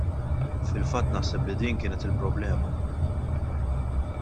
Fil-fatt naħseb li din kienet il-problema.